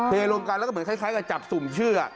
รวมกันแล้วก็เหมือนคล้ายกับจับสุ่มเชื่อ